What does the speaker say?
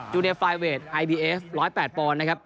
จูเนียร์ไฟเวทไอบีเอฟ๑๐๘ปรนนะครับ